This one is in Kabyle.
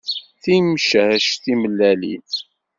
Timcac timellalin.